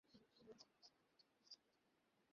গ্রাম যে এত ইন্টারেস্টিং হবে, তা তার ধারণার বাইরে ছিল।